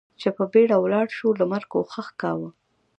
چې په بېړه ولاړ شو، لمر کوښښ کاوه.